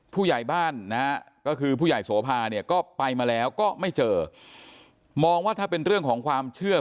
ผู้ใหญ่บ้านนะฮะก็คือผู้ใหญ่โสภาเนี่ยก็ไปมาแล้วก็ไม่เจอมองว่าถ้าเป็นเรื่องของความเชื่อ